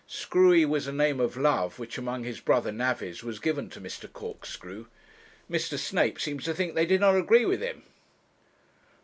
Screwy was a name of love which among his brother navvies was given to Mr. Corkscrew. 'Mr. Snape seems to think they did not agree with him.'